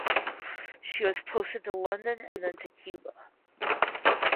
She was posted to London and then to Cuba.